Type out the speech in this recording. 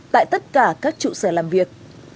tại tất cả các trụ sở làm việc